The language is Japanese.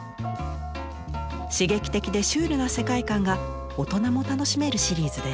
刺激的でシュールな世界観が大人も楽しめるシリーズです。